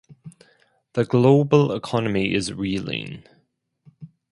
The global economy is reeling.